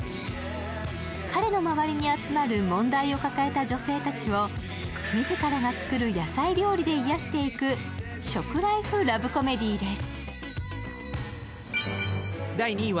彼の周りに集まる問題を抱えた女性たちを自らが作る野菜料理で癒していく食ライフラブコメディーです。